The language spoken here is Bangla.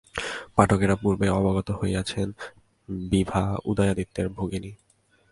পাঠকেরা পূর্বেই অবগত হইয়াছেন বিভা উদয়াদিত্যের ভগিনী।